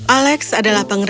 alex adalah pengresipi